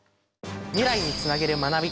未来につなげる学び。